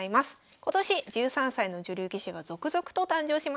今年１３歳の女流棋士が続々と誕生しました。